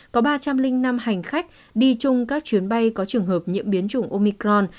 có ba trăm linh năm hành khách đi chung các chuyến bay có trường hợp nhiễm biến chủng omicron